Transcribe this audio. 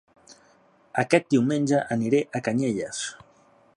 Aquest diumenge aniré a Canyelles